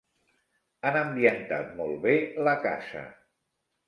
Han ambientat molt bé la casa.